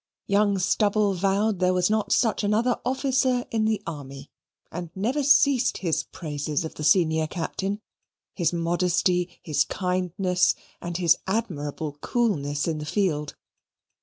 Young Stubble vowed there was not such another officer in the army, and never ceased his praises of the senior captain, his modesty, his kindness, and his admirable coolness in the field.